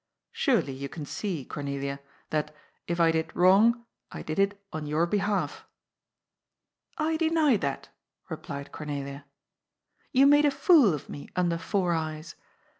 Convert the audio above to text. Surely, you can see, Cornelia, that, if I did wrong, I did it on your behalf." " I deny that," replied Cornelia. " You made a fool of me ' under four eyes.'